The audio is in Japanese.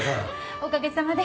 おかげさまで。